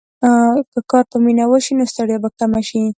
که کار په مینه وشي، نو ستړیا به کمه شي.